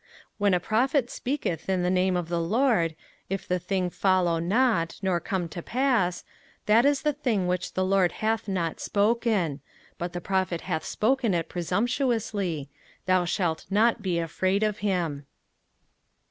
05:018:022 When a prophet speaketh in the name of the LORD, if the thing follow not, nor come to pass, that is the thing which the LORD hath not spoken, but the prophet hath spoken it presumptuously: thou shalt not be afraid of him.